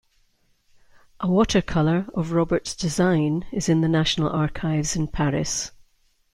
A watercolour of Robert's design is in the National Archives in Paris.